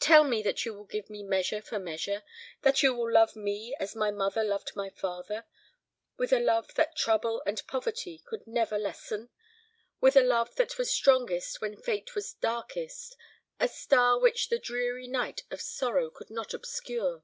"Tell me that you will give me measure for measure; that you will love me as my mother loved my father with a love that trouble and poverty could never lessen; with a love that was strongest when fate was darkest a star which the dreary night of sorrow could not obscure.